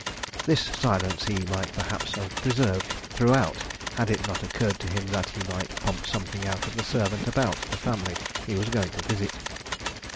This silence he might perhaps have preserved throughout had it not occurred to him that he might pump something out of the servant about the family he was going to visit.